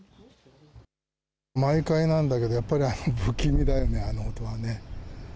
毎回なんだけどやっぱり不気味だよね、あの音は。